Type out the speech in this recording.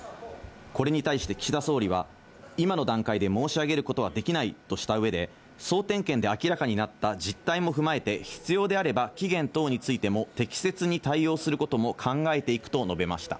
これに対して岸田総理は、今の段階で申し上げることはできないとしたうえで、総点検で明らかになった実態も踏まえて、必要であれば期限等についても適切に対応することも考えていくと述べました。